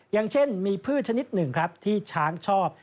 อย่างเช่นมีพืชชนิดหนึ่งครับที่ช้างชอบ